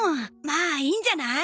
まあいいんじゃない？